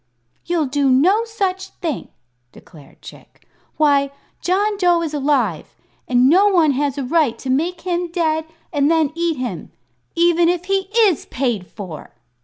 "You'll do no such thing," declared Chick. "Why, John Dough is alive, and no one has a right to make him dead and then eat him even if he is paid for!"